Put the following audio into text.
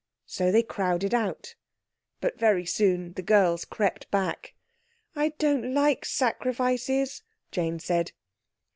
So they crowded out. But very soon the girls crept back. "I don't like sacrifices," Jane said.